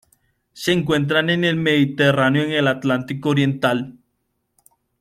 Se encuentran en el Mediterráneo y en el Atlántico oriental.